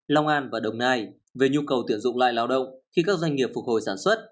long an và đồng nai về nhu cầu tuyển dụng lại lao động khi các doanh nghiệp phục hồi sản xuất